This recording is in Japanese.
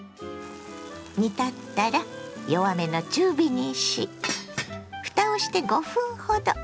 煮立ったら弱めの中火にしふたをして５分ほど。